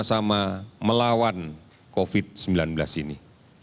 sama sama melawan covid sembilan belas ini